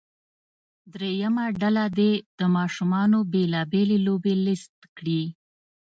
دریمه ډله دې د ماشومانو بیلا بېلې لوبې لیست کړي.